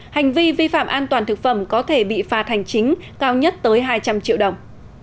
hành vi vi phạm an toàn thực phẩm có thể bị phạt hành chính cao nhất tới hai trăm linh triệu đồng